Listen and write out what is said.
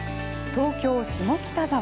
東京・下北沢。